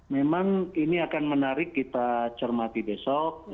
memang ini akan menarik kita cermati besok